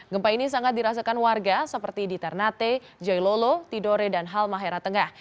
gempa ini sangat dirasakan warga seperti di ternate jailolo tidore dan halmahera tengah